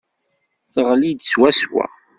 Teɣli-d swaswa.